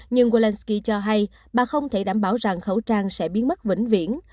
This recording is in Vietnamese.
nhưng welensky cho hay bà không thể đảm bảo rằng khẩu trang sẽ biến mất vĩnh viễn